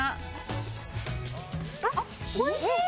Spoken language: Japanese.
あっおいしい！